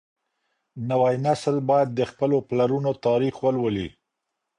نوی نسل بايد د خپلو پلرونو تاريخ ولولي.